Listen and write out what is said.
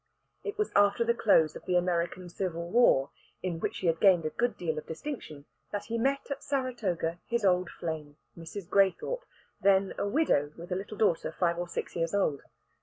It was after the close of the American Civil War, in which he had gained a good deal of distinction, that he met at Saratoga his old flame, Mrs. Graythorpe, then a widow with a little daughter five or six years old.